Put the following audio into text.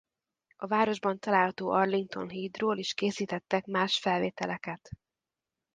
A városban található Arlington-hídról is készítettek más felvételeket.